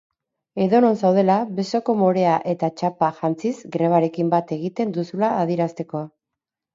Edonon zaudela besoko morea eta txapa jantziz, grebarekin bat egiten duzula adierazteko.